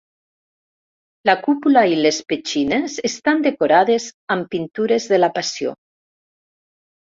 La cúpula i les petxines estan decorades amb pintures de la Passió.